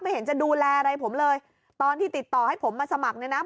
เห็นจะดูแลอะไรผมเลยตอนที่ติดต่อให้ผมมาสมัครเนี่ยนะ